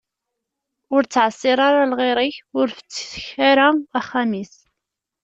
Ur ttɛeṣṣir ara lɣir-ik, ur fettek ara axxam-is.